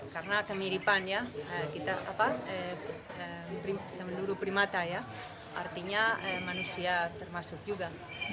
karena kemiripan ya kita apa seluruh primata ya artinya manusia termasuk juga